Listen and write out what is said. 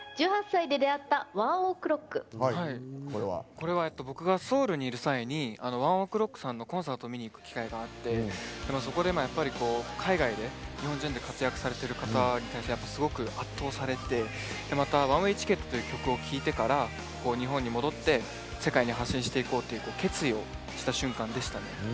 これは僕がソウルにいる際にＯＮＥＯＫＲＯＣＫさんのコンサートを見に行く機会があってそこで海外で日本人で活躍されてる方ですごく圧倒されて「ＯｎｅＷａｙＴｉｃｋｅｔ」という曲を聴いてから日本に戻って世界に発信していこうという決意をした瞬間でしたね。